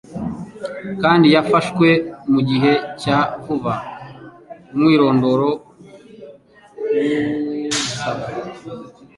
kandi yafashwe mu gihe cya vuba, Umwirondoro w'usaba